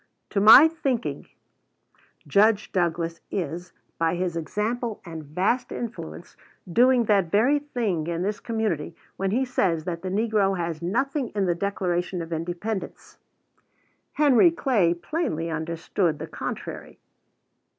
To my thinking, Judge Douglas is, by his example and vast influence, doing that very thing in this community when he says that the negro has nothing in the Declaration of Independence. Henry Clay plainly understood the contrary.